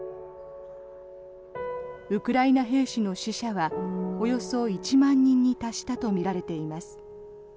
ウクライナ兵士の死者はおよそ１万人に達したとみられています。